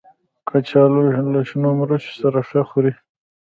کچالو له شنو مرچو سره ښه خوري